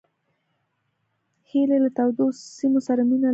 هیلۍ له تودو سیمو سره مینه لري